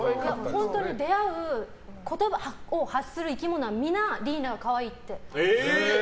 本当に出会う言葉を発する生き物はみんなリイナを可愛いって。